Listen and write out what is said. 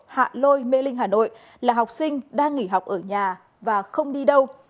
hạ lôi mê linh hà nội là học sinh đang nghỉ học ở nhà và không đi đâu